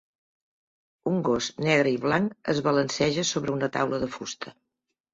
Un gos negre i blanc es balanceja sobre una taula de fusta.